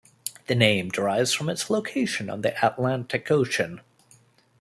The name derives from its location on the Atlantic Ocean.